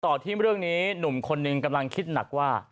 ต่อที่เรื่องนี้หนุ่มคนหนึ่งกำลังคิดหนักว่า